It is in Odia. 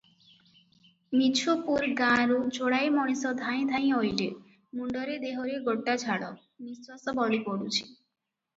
ମିଛୁପୁର ଗାଁରୁ ଯୋଡ଼ାଏ ମଣିଷ ଧାଇଁ ଧାଇଁ ଅଇଲେ, ମୁଣ୍ଡରେ ଦେହରେ ଗୋଟାଝାଳ, ନିଶ୍ୱାସ ବଳି ପଡ଼ୁଛି ।